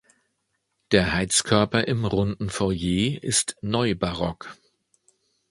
Der Heizkörper im runden Foyer ist neubarock.